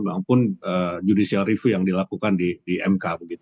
maupun judicial review yang dilakukan di mk